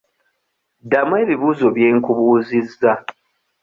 Ddamu ebibuuzo bye nkubuuzizza.